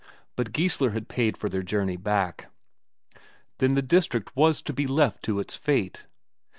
But Geissler had paid for their journey back. Then the district was to be left to its fate?